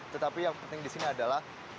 tetapi yang penting di sini adalah